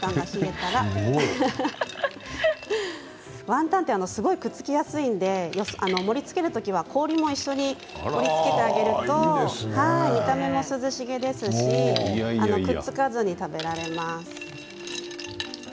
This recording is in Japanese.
ワンタンはすごくくっつきやすいので盛りつけるときは氷と一緒に盛りつけてあげると見た目も涼しげですしくっつかずに食べられます。